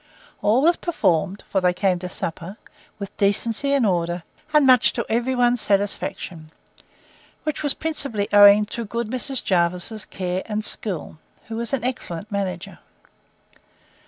All was performed (for they came to supper) with decency and order, and much to every one's satisfaction; which was principally owing to good Mrs. Jervis's care and skill; who is an excellent manager.